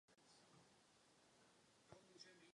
Na Slovensku systém funguje podobně jako v Česku.